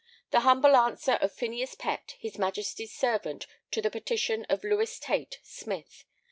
The humble answer of Phineas Pett, his Majesty's servant, to the petition of Lewes Tayte, smith.